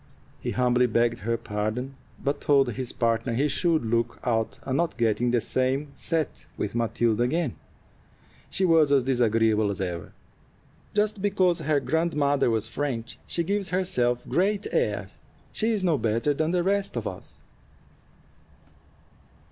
He humbly begged her pardon, but told his partner he should look out and not get in the same set with Matilda again; she was as disagreeable as ever. "Just because her grandmother was French, she gives herself great airs. She is no better than the rest of us."